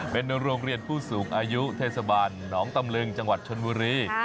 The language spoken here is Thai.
เป็นโรงเรียนผู้สูงอายุเทศบาลหนองตำลึงจังหวัดชนบุรี